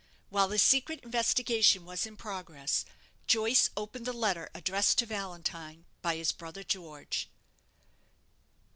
While this secret investigation was in progress, Joyce opened the letter addressed to Valentine by his brother George.